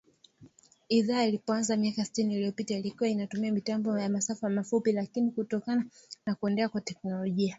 Idhaa ilipoanza miaka sitini iliyopita ilikua inatumia mitambo ya masafa mafupi, lakini kutokana na kuendelea kwa teknolojia